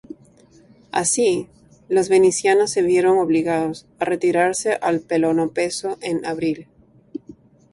Así, los venecianos se vieron obligados a retirarse al Peloponeso en abril.